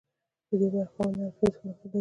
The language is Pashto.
د ډي برخې خاوند هر اړخیز فکر لري.